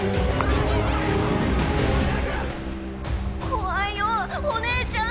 怖いよお姉ちゃん！